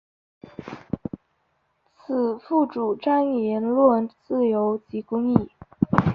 此赋主张言论自由及公义。